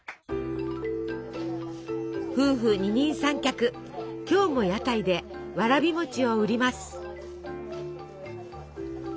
夫婦二人三脚今日も屋台でわらび餅を売ります。